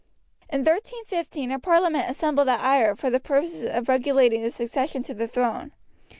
In 1315 a parliament assembled at Ayr for the purpose of regulating the succession to the throne.